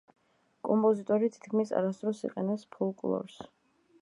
კომპოზიტორი თითქმის არასდროს იყენებს ფოლკლორს.